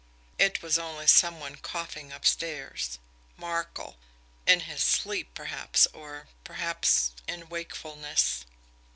It was only some one coughing upstairs Markel in his sleep, perhaps, or, perhaps in wakefulness.